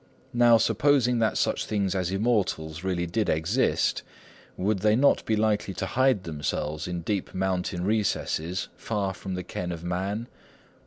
"Now supposing that such beings as immortals really did exist—would they not be likely to hide themselves in deep mountain recesses, far from the ken of man?